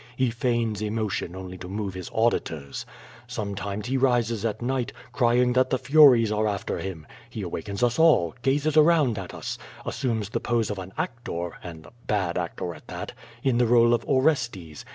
He feigns emotion only to move his auditors. Sometimes he rises at night, crying that the furies are after him. He awakens us all, gazes around at us, assumes the pose of an actor (and a bad actor at that) in the role of Orestes.